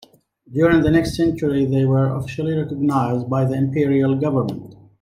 During the next century, they were officially recognized by the imperial government.